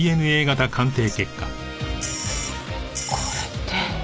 これって。